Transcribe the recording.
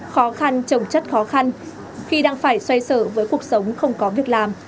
khó khăn trồng chất khó khăn khi đang phải xoay sở với cuộc sống không có việc làm